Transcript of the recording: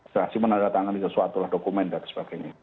saksi menandatangani sesuatu lah dokumen dan sebagainya